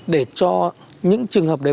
để cho những trường hợp đấy